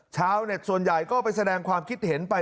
ชาวเน็ตส่วนใหญ่ก็ไปแสดงความคิดเห็นไป